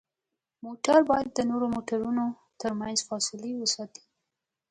موټر باید د نورو موټرونو ترمنځ فاصلې وساتي.